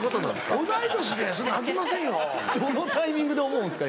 どのタイミングで思うんですか？